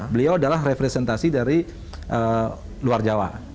beliau adalah representasi dari luar jawa